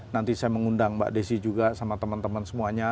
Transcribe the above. nanti saya mengundang mbak desi juga sama teman teman semuanya